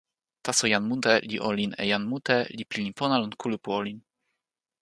taso jan mute li olin e jan mute, li pilin pona lon kulupu olin.